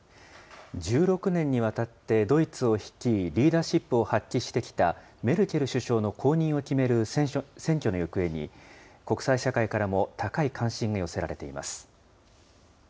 １６年にわたってドイツを率い、リーダーシップを発揮してきたメルケル首相の後任を決める選挙の行方に、国際社会からも高い関心が寄せられています。